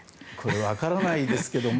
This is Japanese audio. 分からないですけども。